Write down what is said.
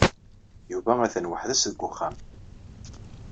Yuba atan weḥd-s deg uxxam.